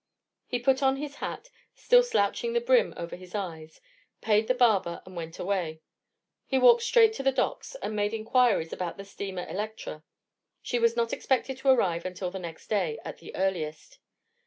He put on his hat, still slouching the brim over his eyes, paid the barber, and went away. He walked straight to the docks, and made inquiries about the steamer Electra. She was not expected to arrive until the next day, at the earliest.